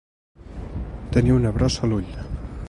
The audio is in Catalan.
Tenir una brossa a l'ull.